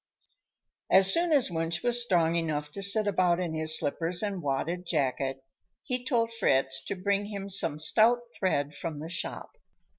As soon as Wunsch was strong enough to sit about in his slippers and wadded jacket, he told Fritz to bring him some stout thread from the shop.